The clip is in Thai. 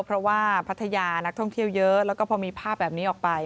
เพราะว่าพัทยานักท่องเที่ยวเยอะแล้วก็พอมีภาพแบบนี้ออกไป